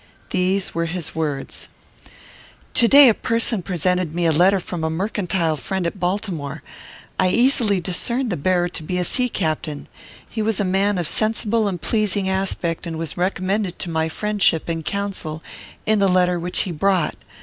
These were his words: "To day a person presented me a letter from a mercantile friend at Baltimore. I easily discerned the bearer to be a sea captain. He was a man of sensible and pleasing aspect, and was recommended to my friendship and counsel in the letter which he brought.